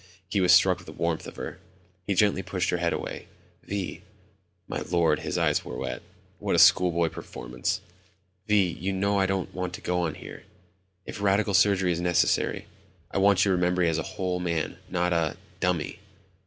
He was struck with the warmth of her. He gently pushed her head away. "Vi." (My Lord, his eyes were wet ... what a schoolboy performance!) "Vi, you know I don't want to go on here ... if radical surgery is necessary. I want you to remember me as a whole man, not a ... dummy."